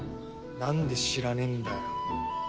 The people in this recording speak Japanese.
なんで知らねえんだよ。